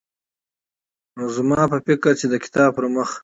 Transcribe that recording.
نو زما په فکر چې د کتاب پرمخ